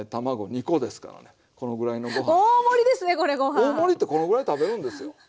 大盛りってこのぐらい食べるんですよ。